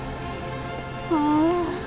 ああ